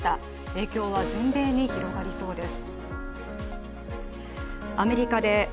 影響は全米に広がりそうです。